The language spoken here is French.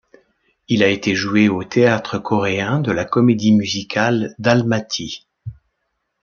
Il a été joué au Théâtre coréen de la comédie musicale d'Almaty.